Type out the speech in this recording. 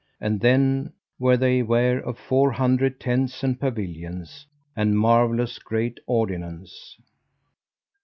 And then were they ware of four hundred tents and pavilions, and marvellous great ordinance.